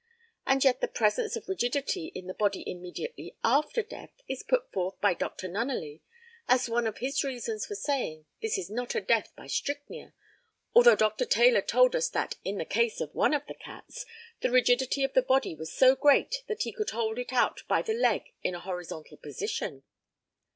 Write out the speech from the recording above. And yet the presence of rigidity in the body immediately after death is put forth by Dr. Nunneley as one of his reasons for saying this is not a death by strychnia, although Dr. Taylor told us that, in the case of one of the cats, the rigidity of the body was so great that he could hold it out by the leg in a horizontal position.